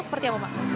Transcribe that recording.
seperti apa pak